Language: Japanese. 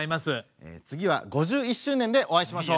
次は５１周年でお会いしましょう。